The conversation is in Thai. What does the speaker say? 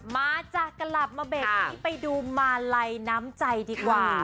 มาจ้ะกลับมาเบรกนี้ไปดูมาลัยน้ำใจดีกว่า